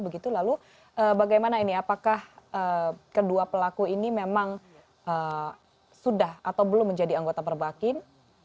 begitu lalu bagaimana ini apakah kedua pelaku ini memang sudah atau belum menjadi anggota perbakin